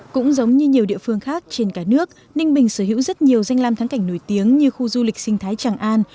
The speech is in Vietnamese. cũng giống như nhiều địa phương khác trên cả nước ninh bình sở hữu rất nhiều danh lam thắng cảnh nổi tiếng như khu du lịch sinh thái tràng an